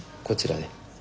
こちらで。